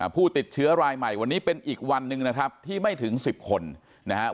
ผู้ติดเชื้อรายใหม่วันนี้เป็นอีกวันหนึ่งนะครับที่ไม่ถึง๑๐คนนะครับ